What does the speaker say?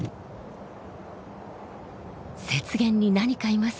雪原に何かいます。